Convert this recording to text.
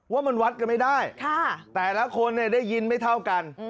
ว่ามันวัดกันไม่ได้แต่ละคนได้ยินไม่เท่ากัน